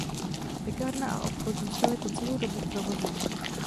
Pekárna a obchod zůstaly po celou dobu v provozu.